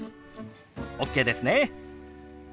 ＯＫですね。